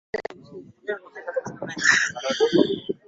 Zo hakuonyesha kumuamini Jacob akatoa burungutu la hela